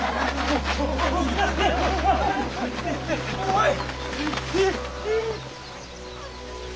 おい！